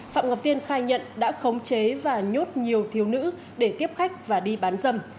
phạm ngọc tiên khai nhận đã khống chế và nhốt nhiều thiếu nữ để tiếp khách và đi bán dâm